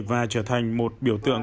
và trở thành một biểu tượng